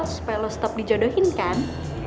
supaya lo tetep di jodohin kan